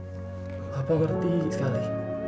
papa ngerti sekali